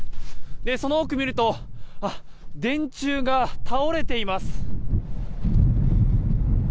その奥見ると電柱が倒れています。